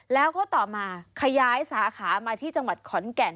แล้วก็ต่อมาขยายสาขามาที่จังหวัดขอนแก่น